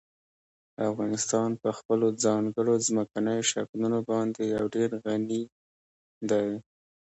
افغانستان په خپلو ځانګړو ځمکنیو شکلونو باندې یو ډېر غني دی.